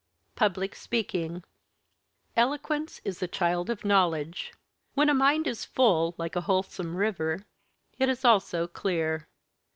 PUBLIC SPEAKING Eloquence is the child of Knowledge. When a mind is full, like a wholesome river, it is also clear.